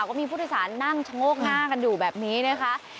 ก็มีผู้โดยสารนั่งชะโงกหน้ากันอยู่แบบนี้นะคะ